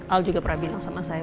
al juga pernah bilang sama saya